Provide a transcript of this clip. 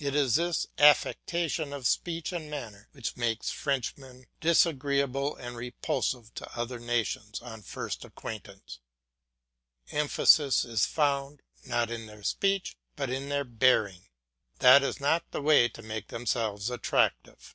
It is this affectation of speech and manner which makes Frenchmen disagreeable and repulsive to other nations on first acquaintance. Emphasis is found, not in their speech, but in their bearing. That is not the way to make themselves attractive.